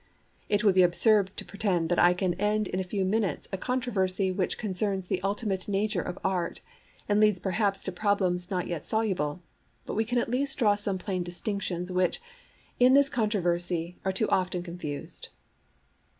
It would be absurd to pretend that I can end in a few minutes a controversy which concerns the ultimate nature of Art, and leads perhaps to problems not yet soluble; but we can at least draw some plain distinctions which, in this controversy, are too often confused.